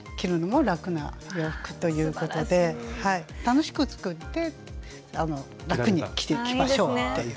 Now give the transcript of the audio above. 楽しく作って楽に着ましょうという。